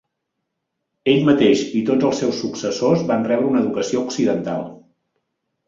Ell mateix i tots els seus successors van rebre una educació occidental.